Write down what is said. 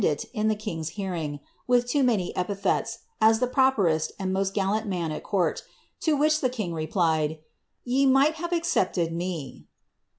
967 eommendit, in the king^s hearing, with too many epithets, as the proper est and most gallant man at court To which the king replied, ^ Ye might have excepted me.'